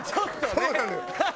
そうなのよ。